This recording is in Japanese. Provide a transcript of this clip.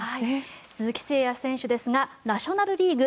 鈴木誠也選手ですがナショナル・リーグ